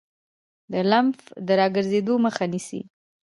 د لمف د راګرځیدو مخه نیسي.